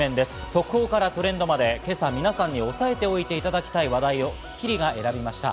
速報からトレンドまで、今朝皆さんに押さえておいていただきたい話題を『スッキリ』が選びました。